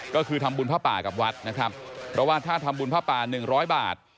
ก็คือทำบุญภาพป่ากับวัดนะครับแล้วว่าถ้าทำบุญภาพป่า๑๐๐บาท